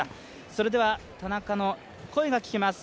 それでは田中の声が聞けます。